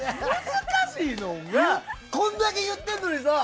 こんだけ言ってるのにさ